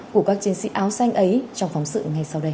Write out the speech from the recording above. của các chiến sĩ áo xanh ấy trong phóng sự ngay sau đây